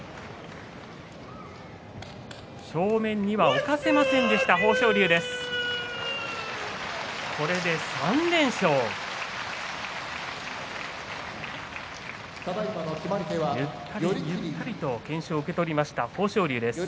正面には置かせませんでした豊昇龍です。